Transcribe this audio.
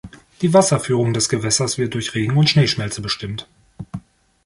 Die Wasserführung des Gewässers wird durch Regen und Schneeschmelze bestimmt.